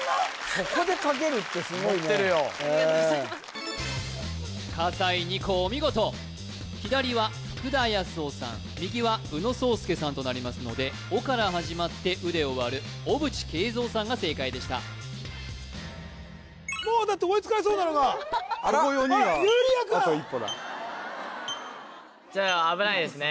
そこで書けるってすごいねありがとうございます笠井虹来お見事左は福田康夫さん右は宇野宗佑さんとなりますので「お」から始まって「う」で終わる小渕恵三さんが正解でしたもうだって追いつかれそうなのがそこ４人はあっ優利哉くん危ないですね